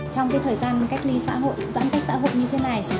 trong thời gian giãn cách xã hội như thế này